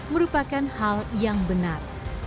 merupakan hal yang benar